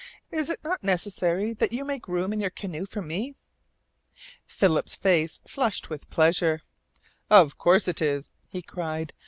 "Is it not necessary that you make room in your canoe for me?" Philip's face flushed with pleasure. "Of course it is," he cried.